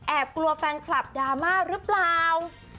กลัวแฟนคลับดราม่าหรือเปล่า